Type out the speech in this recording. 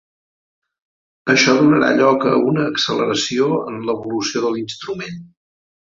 Això donarà lloc a una acceleració en l'evolució de l'instrument.